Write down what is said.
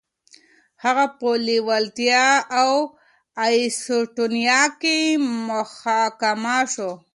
هغه په لتويا او اېسټونيا کې محاکمه شو.